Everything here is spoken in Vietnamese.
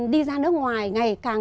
đi ra nước ngoài ngày càng